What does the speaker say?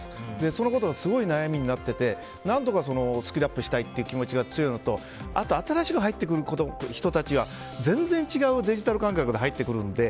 そのことがすごい悩みになっていて何とかスキルアップしたいという気持ちが強いのとあと、新しく入ってくる人たちは全然違うデジタル感覚で入ってくるので。